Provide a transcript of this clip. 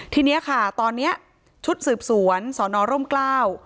ทีนี้ค่ะตอนนี้ชุดสืบสวนสอนอร่มกล้า